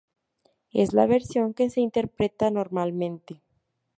Es la versión que se interpreta normalmente.